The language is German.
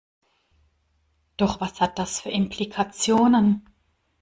Doch was hat das für Implikationen?